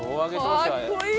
かっこいい！